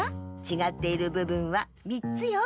ちがっているぶぶんは３つよ。